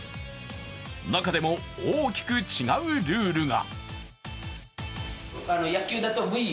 中でも大きく違うルールが。